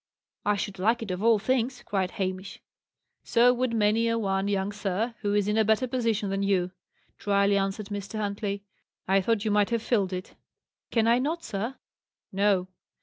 "I should like it of all things!" cried Hamish. "So would many a one, young sir, who is in a better position than you," drily answered Mr. Huntley. "I thought you might have filled it." "Can I not, sir?" "No."